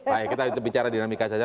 baik kita bicara dinamika saja